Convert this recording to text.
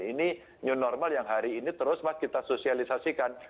ini new normal yang hari ini terus mas kita sosialisasikan